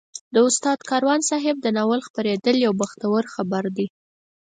د استاد کاروان صاحب د ناول خپرېدل یو بختور خبر دی.